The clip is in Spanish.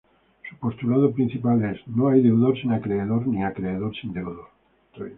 Su postulado principal es ""No hay deudor sin acreedor, ni acreedor sin deudor"".